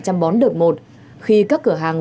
chăm bón đợt một khi các cửa hàng